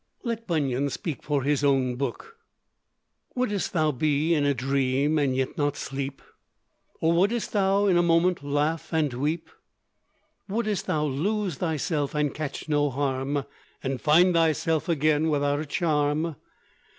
Let Bunyan speak for his own book: "Wouldst thou be in a dream, and yet not sleep? Or wouldst thou in a moment laugh and weep? Wouldst thou lose thyself and catch no harm, And find thyself again, without a charm?